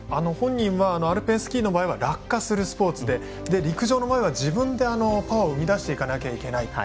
本人はアルペンスキーの場合は落下するスポーツで陸上の場合は自分でパワーを生み出していかなければいけない。